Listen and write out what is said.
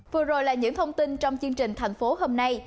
vừa rồi là những thông tin trong chương trình thành phố hôm nay